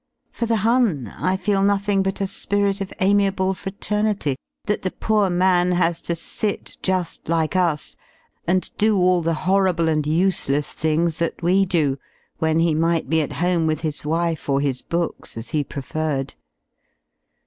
For the Hun I feel nothing bu t a spim„af amiable fraterni ty that thepoor man has to sit j uA like us and do all the horrible and useieSlhings that we do, when he might be at home 12 with his wife or his books, as he preferred.